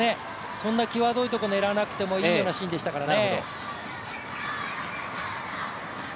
そんなきわどいところ狙わなくてもいいようなシーンでしたからね。